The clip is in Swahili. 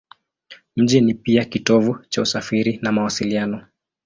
Mji ni pia kitovu cha usafiri na mawasiliano.